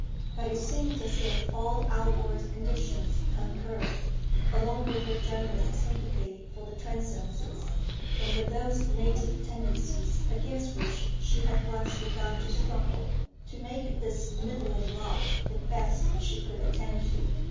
But it seemed as if all outward conditions concurred, along with her generous sympathy for the Transomes, and with those native tendencies against which she had once begun to struggle, to make this middling lot the best she could attain to.